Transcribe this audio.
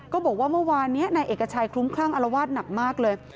ก็บอกว่าเมื่อวานนี้นายเอกชัยคลุ้มคลั่งอารวาสหนักมากเลย